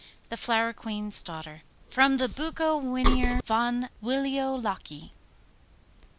THE FLOWER QUEEN'S DAUGHTER(23) (23) From the Bukowinaer. Von Wliolocki.